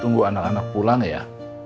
nunggu anak anak pulang ya